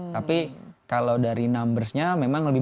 tapi kalau dari numbersnya memang lebih